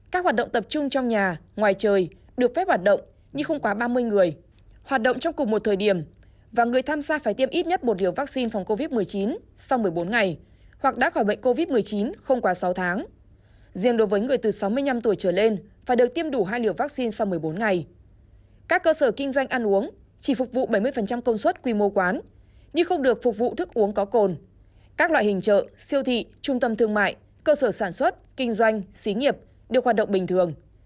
các loại hình trợ siêu thị trung tâm thương mại cơ sở sản xuất kinh doanh xí nghiệp được hoạt động bình thường